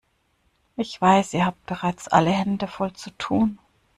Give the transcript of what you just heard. Ich weiß, ihr habt bereits alle Hände voll zu tun.